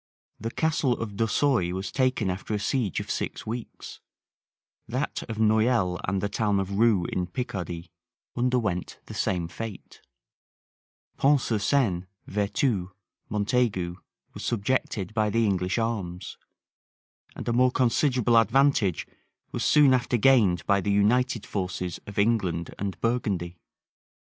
The Castle of Dorsoy was taken after a siege of six weeks: that of Noyelle and the town of Rue, in Picardy, underwent the same fate: Pont sur Seine, Vertus, Montaigu, were subjected by the English arms: and a more considerable advantage was soon after gained by the united forces of England and Burgundy.